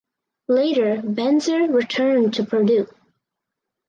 Later Benzer returned to Purdue.